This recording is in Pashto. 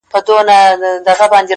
په دې وطن كي نسته بېله بنگه ككرۍ.!